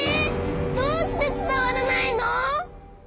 どうしてつたわらないの？